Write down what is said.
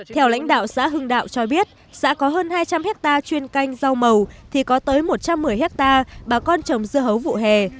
theo lãnh đạo xã hưng đạo cho biết xã có hơn hai trăm linh hectare chuyên canh rau màu thì có tới một trăm một mươi hectare bà con trồng dưa hấu vụ hè